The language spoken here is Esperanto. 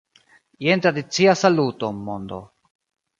Jen tradicia Saluton, mondo!